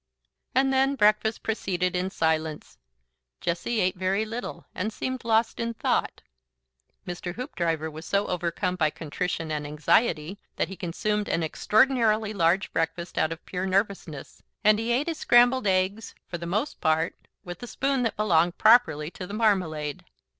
And then breakfast proceeded in silence. Jessie ate very little, and seemed lost in thought. Mr. Hoopdriver was so overcome by contrition and anxiety that he consumed an extraordinarily large breakfast out of pure nervousness, and ate his scrambled eggs for the most part with the spoon that belonged properly to the marmalade.